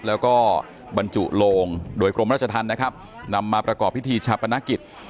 แล้วก็บรรจุโลงโดยกรมราชธรรมนะครับนำมาประกอบพิธีชาปนกิจ